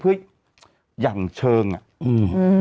เพื่อยั่งเชิงอะ